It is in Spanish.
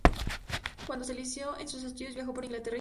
Cuando se licenció en sus estudios, viajó por Inglaterra y Suecia.